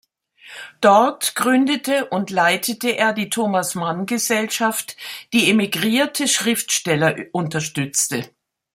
Dort gründete und leitete er die Thomas-Mann-Gesellschaft, die emigrierte Schriftsteller unterstützte.